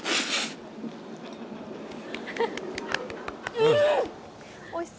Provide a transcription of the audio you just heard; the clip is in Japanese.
うん！